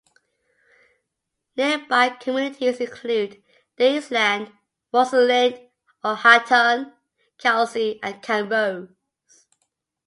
Nearby communities include Daysland, Rosalind, Ohaton, Kelsey and Camrose.